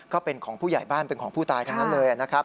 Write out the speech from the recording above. ก็เป็นของผู้ใหญ่บ้านเป็นของผู้ตายทั้งนั้นเลยนะครับ